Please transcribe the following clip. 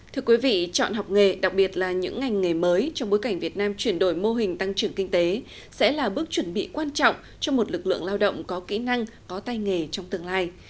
thưa quý vị chọn học nghề đặc biệt là những ngành nghề mới trong bối cảnh việt nam chuyển đổi mô hình tăng trưởng kinh tế sẽ là bước chuẩn bị quan trọng cho một lực lượng lao động có kỹ năng có tay nghề trong tương lai